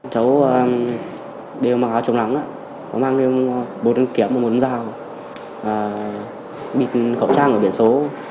cháu đều mặc áo trồng lắng có mang bốn đứa kiểm và một đứa dao bịt khẩu trang ở biển số